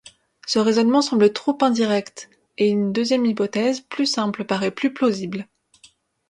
Ce raisonnement semble trop indirect et une deuxième hypothèse plus simple parait plus plausible.